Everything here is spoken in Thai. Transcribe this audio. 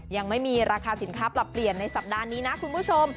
ยังไม่มีราคาสินค้าปรับเปลี่ยนในสัปดาห์นี้นะคุณผู้ชม